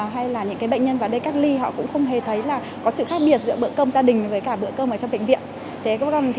hay là những bệnh nhân vào đây cắt ly họ cũng không hề thấy là có sự khác biệt giữa bữa cơm gia đình với cả bữa cơm ở trong bệnh viện